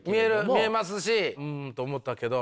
見えますしうんと思ったけど。